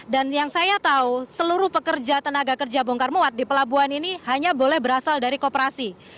dan yang saya tahu seluruh pekerja tenaga kerja bongkar muat di pelabuhan ini hanya boleh berasal dari koperasi